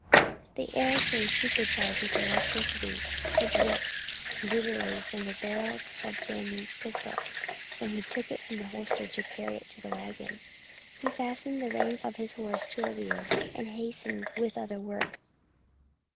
The air grew supercharged with electricity. It dripped, literally, from the barrel of Banion's pistol when he took it from its holster to carry it to the wagon. He fastened the reins of his horse to a wheel and hastened with other work.